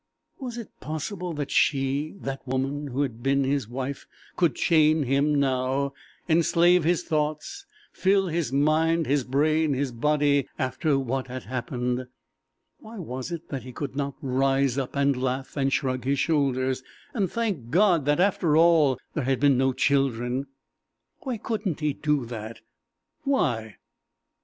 Was it possible that she that woman who had been his wife could chain him now, enslave his thoughts, fill his mind, his brain, his body, after what had happened? Why was it that he could not rise up and laugh and shrug his shoulders, and thank God that, after all, there had been no children? Why couldn't he do that? _Why?